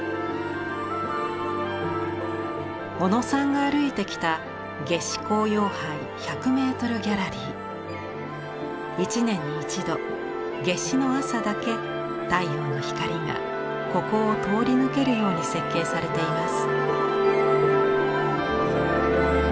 小野さんが歩いてきた一年に一度夏至の朝だけ太陽の光がここを通り抜けるように設計されています。